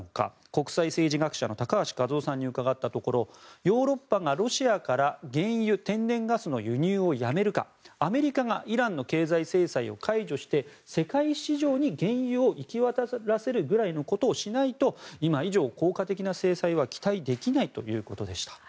国際政治学者の高橋和夫さんに伺ったところヨーロッパがロシアから原油・天然ガスの輸入をやめるかアメリカがイランの経済制裁を解除して世界市場に原油を行き渡らせるぐらいのことをしないと今以上、効果的な制裁は期待できないということでした。